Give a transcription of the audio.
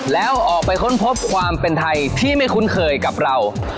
แล้วออกไปค้นพบความเป็นไทยที่ไม่คุ้นเคยกับเรา